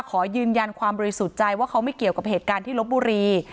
ขอยืนยันความบริสุทธิ์ใจว่าเขาไม่เกี่ยวกับเหตุการณ์ที่ลบบุรี